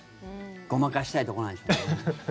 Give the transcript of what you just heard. ごまかしたいところなんですよね。